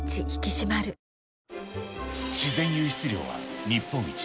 自然湧出量は日本一。